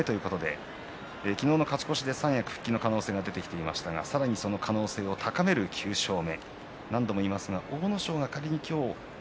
昨日の勝ち越しで三役復帰の可能性が出てきていましたがその可能性をさらに高める９勝目。